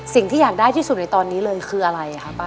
สิ่งที่อยากได้ที่สุดในตอนนี้เลยคืออะไรครับป้า